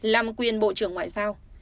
làm quyền bộ trưởng ngoại giao